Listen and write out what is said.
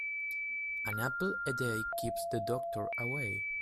An apple a day keeps the doctor away.